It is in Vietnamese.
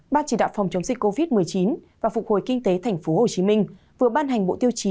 ban chỉ đạo phòng chống dịch covid một mươi chín và phục hồi kinh tế tp hcm vừa ban hành bộ tiêu chí